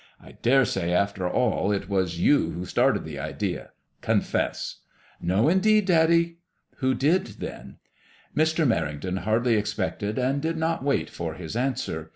I dare say after all it was you who started the idea. Confess." " No, indeed, daddy." " Who did, then ?"^ MADEMOISELLE IXE. 89 Mr. Merrington hardly ex pected, and did not wait for his answer.